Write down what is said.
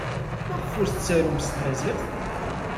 Maɣef ur t-tettarum s tmaziɣt?